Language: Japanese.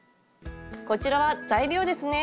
こちらは材料ですね。